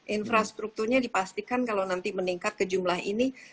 infrastrukturnya dipastikan kalau nanti meningkat ke jumlah ini